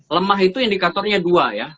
lemah itu indikatornya dua ya